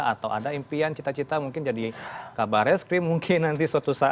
atau ada impian cita cita mungkin jadi kabar eskrim mungkin nanti suatu saat